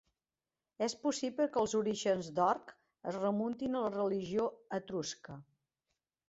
És possible que els orígens d'Orc es remuntin a la religió etrusca.